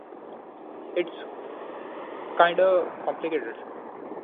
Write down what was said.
It's kinda complicated.